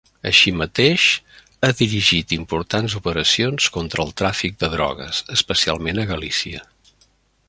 Així mateix, ha dirigit importants operacions contra el tràfic de drogues, especialment a Galícia.